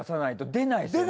出ないっすよね。